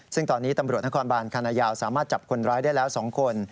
ซึ่งตอนนี้ตำรวจนครบานคณะยาวสามารถจับคนร้ายได้แล้ว๒คน